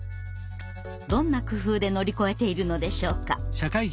どんな工夫で乗り越えているのでしょうか。